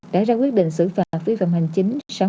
đã ra quyết định xử phạt vi phạm hành chính